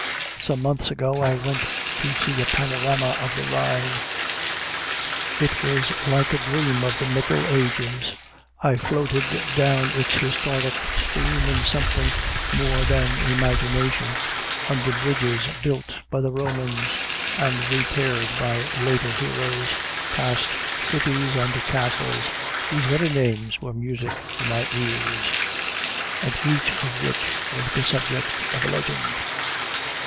Some months ago I went to see a panorama of the Rhine. It was like a dream of the Middle Ages. I floated down its historic stream in something more than imagination, under bridges built by the Romans, and repaired by later heroes, past cities and castles whose very names were music to my ears, and each of which was the subject of a legend.